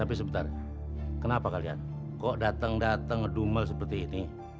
tapi sebentar kenapa kalian kok dateng dateng ngedumel seperti ini